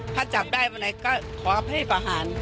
ถ้าจับได้วันไหนก็ขอให้ประหาร